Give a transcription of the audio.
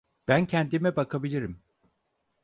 Ben kendime bakabilirim.